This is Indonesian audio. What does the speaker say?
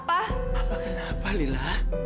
apa kenapa lila